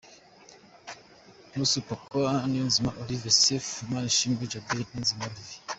Prosper Kuka , Niyonzima Olivier Sefu, Manishimwe Djabel, Niyonzima Olivier.